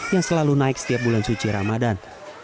yang selalu naik setiap bulan suci ramadan